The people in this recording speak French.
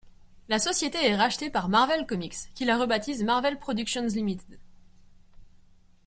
La société est rachetée par Marvel Comics qui la rebaptise Marvel Productions Limited.